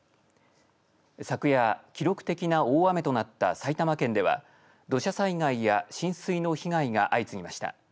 昨夜、記録的な大雨となった埼玉県では土砂災害や浸水の被害が相次ぎました。